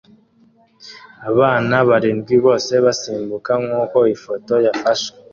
Abana barindwi bose basimbuka nkuko ifoto yafashwe